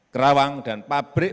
kerawang dan pabrik